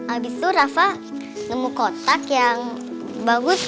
abis itu rafa nemu kotak yang bagus